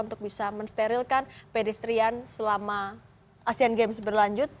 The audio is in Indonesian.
untuk bisa mensterilkan pedestrian selama asian games berlanjut